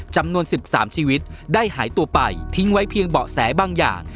จำนวน๑๓ชีวิตได้หายตัวไปทิ้งไว้เพียงเบาะแสบางอย่าง